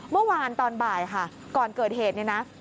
เมื่อวานตอนบ่ายค่ะก่อนเกิดเหตุ